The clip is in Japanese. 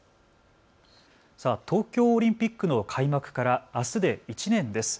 東京オリンピックの開幕からあすで１年です。